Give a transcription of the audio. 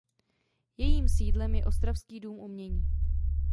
Jejím sídlem je ostravský Dům umění.